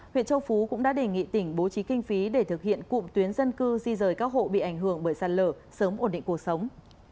huyện châu phú cũng đã đề nghị tỉnh bố trí kinh phí để thực hiện cụm tuyến dân cư di rời các hộ bị ảnh hưởng bởi sạt lở sớm ổn định cuộc sống